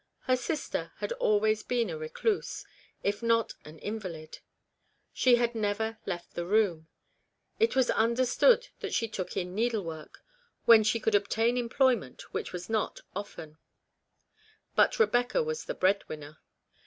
Her sister had been always a recluse, if not an invalid ; she had never left the room ; it was understood that she took in needlework, when she could obtain employment, which was not often ; but Rebecca was the bread winner.